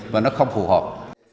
và nó không phù hợp